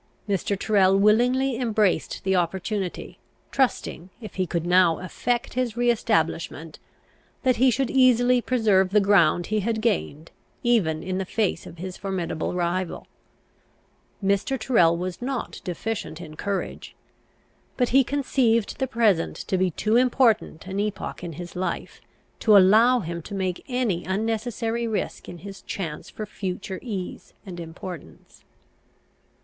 Mr. Tyrrel willingly embraced the opportunity, trusting, if he could now effect his re establishment, that he should easily preserve the ground he had gained, even in the face of his formidable rival. Mr. Tyrrel was not deficient in courage; but he conceived the present to be too important an epoch in his life to allow him to make any unnecessary risk in his chance for future ease and importance.